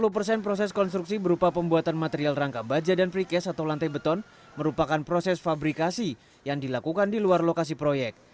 dua puluh persen proses konstruksi berupa pembuatan material rangka baja dan precast atau lantai beton merupakan proses fabrikasi yang dilakukan di luar lokasi proyek